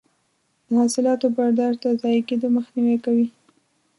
د حاصلاتو برداشت د ضایع کیدو مخنیوی کوي.